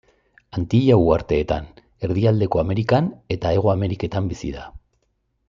Antilla uharteetan, Erdialdeko Amerikan eta Hego Ameriketan bizi da.